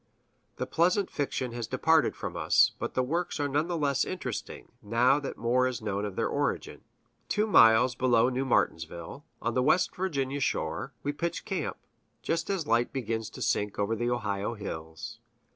That pleasant fiction has departed from us; but the works are none the less interesting, now that more is known of their origin. Two miles below New Martinsville, on the West Virginia shore, we pitch camp, just as the light begins to sink over the Ohio hills.